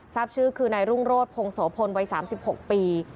ทราบชื่อคือนายรุ่งโรธพงโสพลวัย๓๖ปี